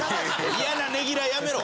嫌なねぎらいやめろ。